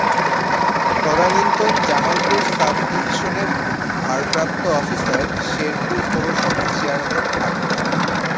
তদানীন্তন জামালপুর সাব-ডিভিশনের ভারপ্রাপ্ত অফিসার শেরপুর পৌরসভার চেয়ারম্যান থাকতেন।